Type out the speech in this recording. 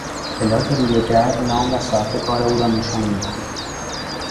پلاک روی در نام و ساعات کار او را نشان میداد.